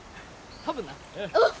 多分な。